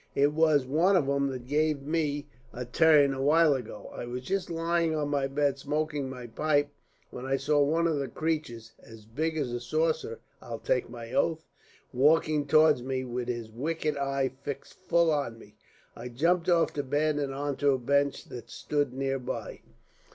It was one of 'em that gave me a turn, a while ago. I was just lying on my bed smoking my pipe, when I saw one of the creatures (as big as a saucer, I'll take my oath) walking towards me with his wicked eye fixed full on me. I jumped off the bed and on to a bench that stood handy.